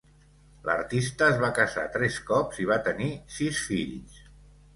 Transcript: L'artista es va casar tres cops i va tenir sis fills.